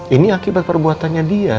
ini akibat perbuatannya dia